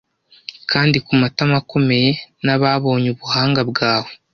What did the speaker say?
Kandi ku matama akomeye, n'ababonye ubuhanga bwawe